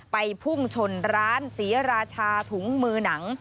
พุ่งชนร้านศรีราชาถุงมือหนัง